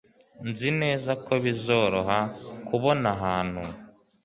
Nzi neza ko bizoroha kubona ahantu.